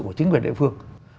của chính quyền địa phương